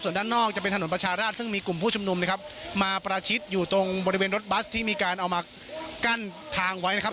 ส่วนด้านนอกจะเป็นถนนประชาราชซึ่งมีกลุ่มผู้ชุมนุมนะครับมาประชิดอยู่ตรงบริเวณรถบัสที่มีการเอามากั้นทางไว้นะครับ